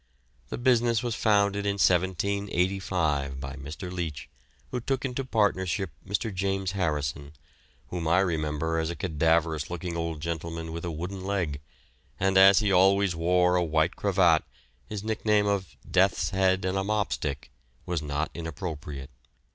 The business was founded in 1785 by Mr. Leech, who took into partnership Mr. James Harrison, whom I remember as a cadaverous looking old gentleman with a wooden leg, and as he always wore a white cravat his nickname of "Death's Head and a Mop Stick" was not inappropriate.